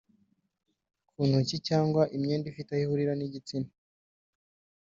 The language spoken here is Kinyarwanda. ku ntoki cg imyenda ifite aho ihurira n’igitsina